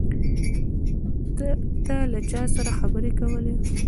ته له چا سره خبرې کولې؟